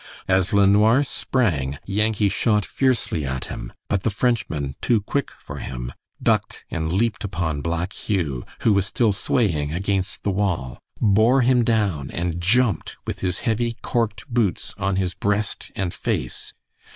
As LeNoir sprang, Yankee shot fiercely at him, but the Frenchman, too quick for him, ducked and leaped upon Black Hugh, who was still swaying against the wall, bore him down and jumped with his heavy "corked" boots on his breast and face.